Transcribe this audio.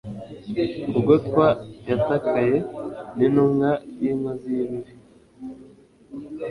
kugotwa yatakaye nintumwa yinkozi y'ibibi